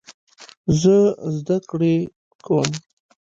زه زده کړې کوم.